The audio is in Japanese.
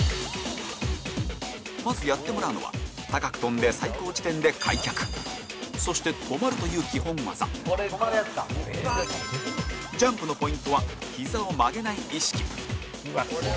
まず、やってもらうのは高く跳んで最高地点で開脚そして、止まるという基本技ジャンプのポイントはヒザを曲げない意識